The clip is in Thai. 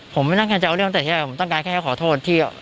ผมไม่ต้องแค่จะเอาเรื่องแต่ที่อะไรผมต้องการแค่ให้ขอโทษที่